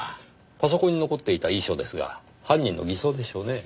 パソコンに残っていた遺書ですが犯人の偽装でしょうねぇ。